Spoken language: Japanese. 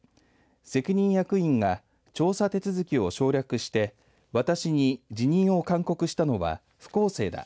責任役員が調査手続きを省略して私に辞任を勧告したのは不公正だ。